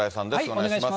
お願いします。